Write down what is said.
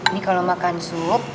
ini kalau makan sup